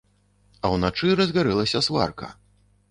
А ўначы разгарэлася сварка.